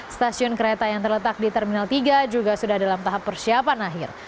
stasiun kereta yang terletak di terminal tiga juga sudah dalam tahap persiapan akhir